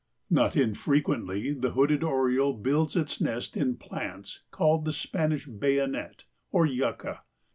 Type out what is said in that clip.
Not infrequently the Hooded Oriole builds its nest in plants called the Spanish bayonet or yucca.